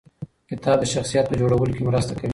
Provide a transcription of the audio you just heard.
کتاب د شخصیت په جوړولو کې مرسته کوي.